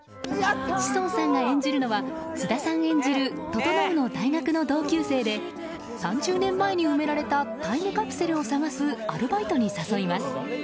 志尊さんが演じるのは菅田さん演じる整の大学の同級生で３０年前に埋められたタイムカプセルを探すアルバイトに誘います。